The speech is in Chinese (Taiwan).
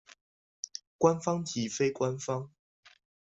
官方及非官方